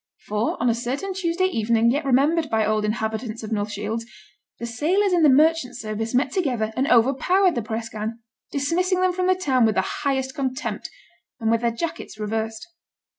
For on a certain Tuesday evening yet remembered by old inhabitants of North Shields, the sailors in the merchant service met together and overpowered the press gang, dismissing them from the town with the highest contempt, and with their jackets reversed.